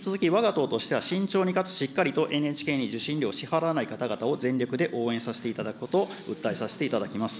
引き続き、わが党としては慎重にかつしっかりとＮＨＫに受信料を支払わない方々を、全力で応援させていただくことを訴えさせていただきます。